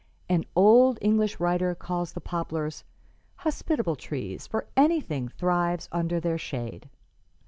An old English writer calls the poplars 'hospitable trees, for anything thrives under their shade.'